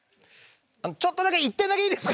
ちょっとだけ１点だけいいですか？